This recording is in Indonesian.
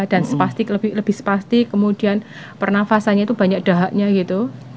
dan spastik lebih spastik kemudian pernafasannya itu banyak dahaknya gitu